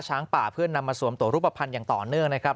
ช้างป่าเพื่อนำมาสวมตัวรูปภัณฑ์อย่างต่อเนื่องนะครับ